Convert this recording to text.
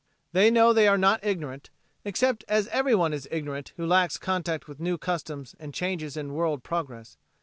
They know they are not ignorant, except as everyone is ignorant who lacks contact with new customs and changes in world progress.